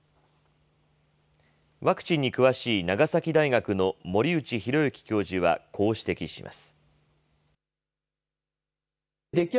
ワクチンに詳しい長崎大学の森内浩幸教授はこう指摘します。